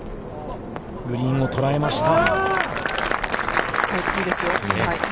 グリーンを捉えました。